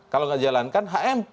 kalau gak dijalankan